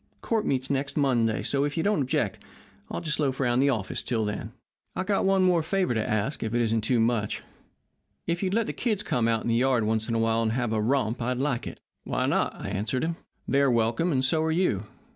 Court meets next Monday, so, if you don't object, I'll just loaf around the office until then. I've got one favour to ask, if it isn't too much. If you'd let the kids come out in the yard once in a while and have a romp I'd like it.' "'Why not?' I answered him. 'They're welcome, and so are you.